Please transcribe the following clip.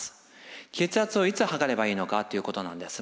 血圧をいつ測ればいいのかということなんです。